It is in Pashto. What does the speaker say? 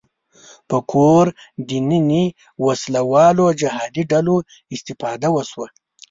په کور دننه وسله والو جهادي ډلو استفاده وشوه